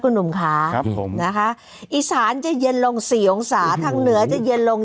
คุณหนุ่มค่ะครับผมนะคะอีสานจะเย็นลงสี่องศาทางเหนือจะเย็นลง